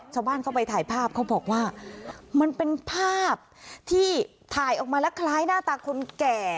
ชาวบ้านเข้าไปถ่ายภาพเขาบอกว่ามันเป็นภาพที่ถ่ายออกมาแล้วคล้ายหน้าตาคนแก่